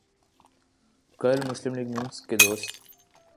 کل مسلم لیگ ن کے دوست